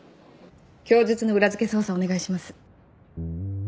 供述の裏付け捜査をお願いします。